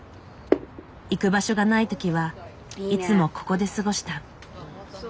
行く場所がない時はいつもここで過ごした。